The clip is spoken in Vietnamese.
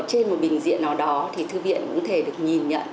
và ở trên một bình diện nào đó thì thư viện cũng thể được nhìn nhận